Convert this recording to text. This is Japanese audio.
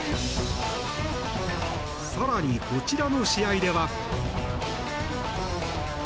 更に、こちらの試合では。